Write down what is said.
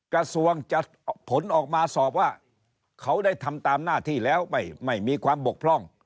กระทรวงจะผลออกมาสอบว่าเขาได้ทำตามหน้าที่แล้วไม่มีความบกพร่อง